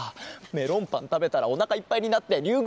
メロンパンたべたらおなかいっぱいになってりゅう